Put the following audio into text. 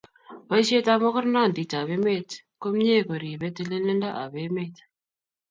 boishet ab magornandit ab emet komyee ko ripee tililindo ab emet